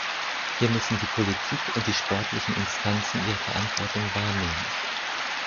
Hier müssen die Politik und die sportlichen Instanzen ihre Verantwortung wahrnehmen.